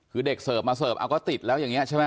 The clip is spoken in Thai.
คือเด็กเสิร์ฟมาเสิร์ฟเอาก็ติดแล้วอย่างนี้ใช่ไหม